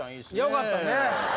よかったね。